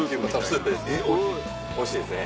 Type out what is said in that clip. おいしいですね。